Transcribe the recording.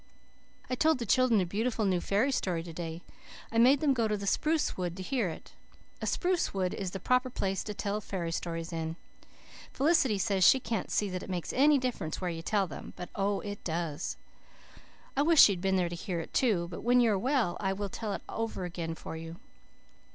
"I told the children a beautiful new fairy story to day. I made them go to the spruce wood to hear it. A spruce wood is the proper place to tell fairy stories in. Felicity says she can't see that it makes any difference where you tell them, but oh, it does. I wish you had been there to hear it too, but when you are well I will tell it over again for you.